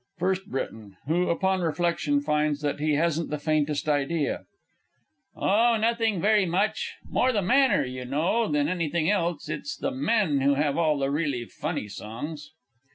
FIRST B. (who, upon reflection, finds that he hasn't the faintest idea). Oh, nothing very much more the manner, you know, than anything else it's the men who have all the really funny songs.